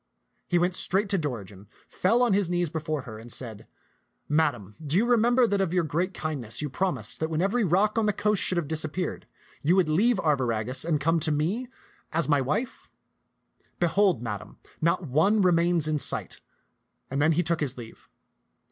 He went straight to Dorigen, fell on his knees before her, and said, " Madam, do you remember that of your great kindness you promised that when every rock on the coast should have disappeared, you would leave Arviragus and come to me as my wife ? Behold, Madam, not one remains in sight"; and then he took his leave.